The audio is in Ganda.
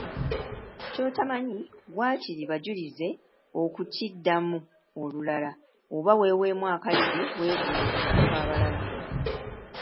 Ky’otamanyi waakiri bajulize okukiddamu olulala oba weeweemu akadde weebuuze ku bantu abalala.